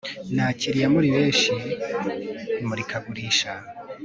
Nakiriye muri benshi imurikagurisha